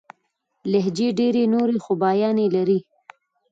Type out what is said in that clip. لهجې ډېري نوري خوباياني لري.